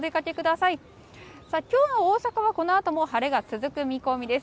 さあ、きょうも大阪はこのあとも晴れが続く見込みです。